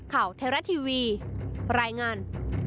ข่าวเทราะทีวีรายงาน